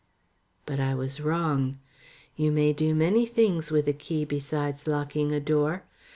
But I was wrong. You may do many things with a key besides locking a door.